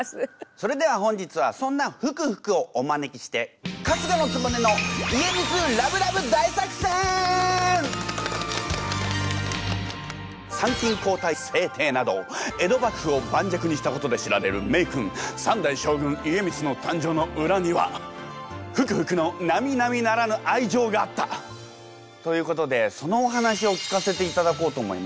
それでは本日はそんなふくふくをお招きして参勤交代制定など江戸幕府を盤石にしたことで知られる名君三代将軍家光の誕生の裏にはふくふくのなみなみならぬ愛情があったということでそのお話を聞かせていただこうと思います。